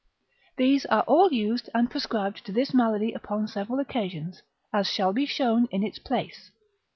These are all used, and prescribed to this malady upon several occasions, as shall be shown in its place.